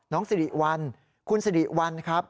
สิริวัลคุณสิริวัลครับ